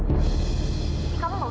tapi kamu gausah ngadil